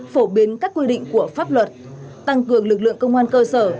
phổ biến các quy định của pháp luật tăng cường lực lượng công an cơ sở